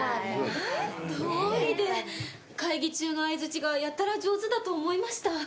どうりで会議中の相づちがやたら上手だと思いました。